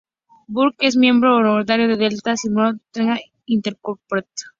Burke es miembro honorario de Delta Sigma Theta Sorority, Incorporated.